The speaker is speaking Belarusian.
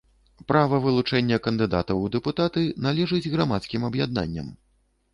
Права вылучэння кандыдатаў у дэпутаты належыць грамадскім аб’яднанням.